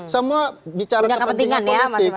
semua bicara kepentingan politik